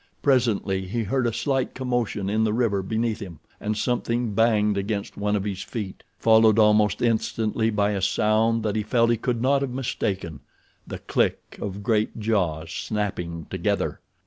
Presently he heard a slight commotion in the river beneath him and something banged against one of his feet, followed almost instantly by a sound that he felt he could not have mistaken—the click of great jaws snapping together.